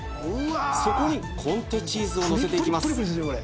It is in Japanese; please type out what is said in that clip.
そこにコンテチーズをのせていきます